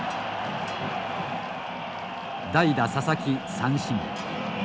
代打佐々木三振。